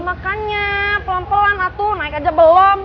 makanya pelan pelan atuh naik aja belum